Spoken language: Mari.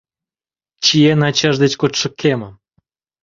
Чиен ачаж деч кодшо кемым